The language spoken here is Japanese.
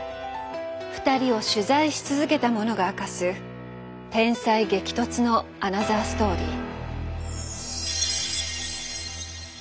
二人を取材し続けた者が明かす天才激突のアナザーストーリー。